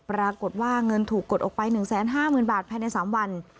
ปรากฏว่าเงินถูกกดออกไป๑๕๐๐๐บาทภายใน๓วัน